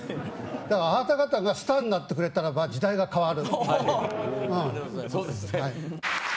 だから、あなた方がスターになってくれたらば時代が変わる。